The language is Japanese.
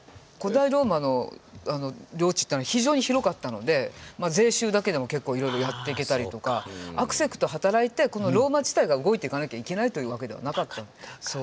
古代ローマの領地って非常に広かったので税収だけでも結構いろいろやっていけたりとかあくせくと働いてローマ自体が動いていかなきゃいけないというわけではなかった。